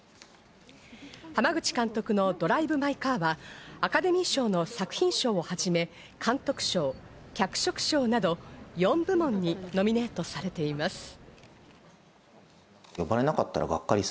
濱口監督の『ドライブ・マイ・カー』はアカデミー賞の作品賞をはじめ、監督賞、脚色賞など４部門にノミネートされています。